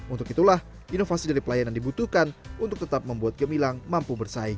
untuk itulah inovasi dari pelayanan dibutuhkan untuk tetap membuat gemilang mampu bersaing